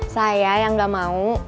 saya yang gak mau